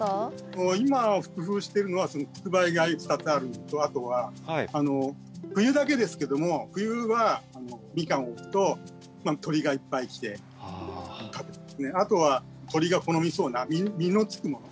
今工夫してるのはつくばいが２つあるのとあとは冬だけですけども冬はミカンを置くとまあ鳥がいっぱい来てあとは鳥が好みそうな実のつくもの。